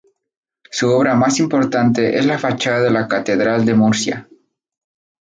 Su obra más importante es la fachada de la catedral de Murcia.